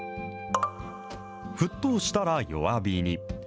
沸騰したら弱火に。